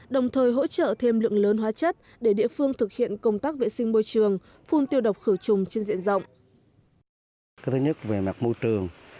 đồng thời hỗ trợ thêm lượng lớn hóa chất để địa phương thực hiện công tác vệ sinh môi trường phun tiêu độc khử trùng trên diện rộng